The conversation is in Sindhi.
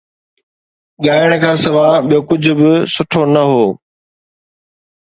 ڳائڻ کان سواءِ ٻيو ڪجهه به سٺو نه هو